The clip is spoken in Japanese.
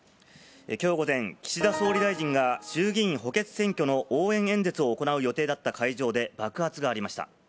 今日午前、岸田総理大臣が衆議院補欠選挙の応援演説を行う予定だった会場で爆発がありました。